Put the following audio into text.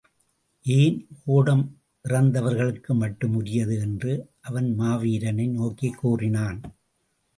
என் ஓடம் இறந்தவர்களுக்கு மட்டும் உரியது! என்று அவன் மாவீரனை நோக்கிக் கூறினான்.